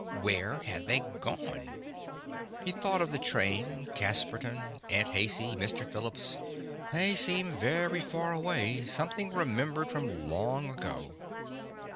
Where had they gone? He thought of the train, Casperton, Aunt Haicey, Mr. Phillips. They seemed very far away, something remembered from long ago.